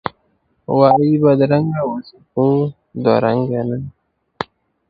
وایی بدرنګه اوسه، خو دوه رنګه نه!